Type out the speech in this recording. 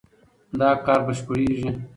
دا کار بشپړېږي.